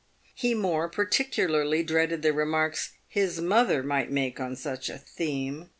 He more particularly dreaded the remarks his mother might make on such a theme.